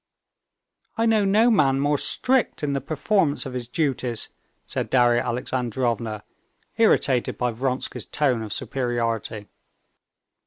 "I know no man more strict in the performance of his duties," said Darya Alexandrovna, irritated by Vronsky's tone of superiority.